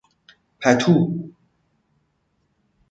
پتو